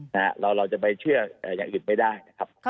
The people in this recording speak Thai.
เราจะไปเชื่ออย่างอื่นไม่ได้นะครับ